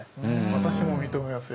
私も認めますよ